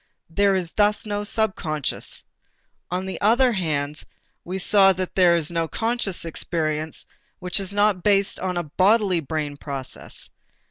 There is thus no subconscious. On the other hand, we saw that there is no conscious experience which is not based on a bodily brain process.